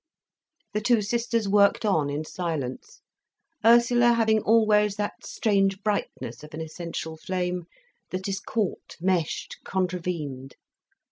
The two sisters worked on in silence, Ursula having always that strange brightness of an essential flame that is caught, meshed, contravened.